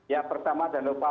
yang pertama jangan lupa